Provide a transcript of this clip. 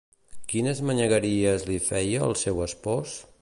Quines manyagueries li feia al seu espòs?